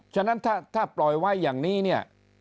ฉะนั้นถ้าปล่อยไว้อย่างนี้เนี่ย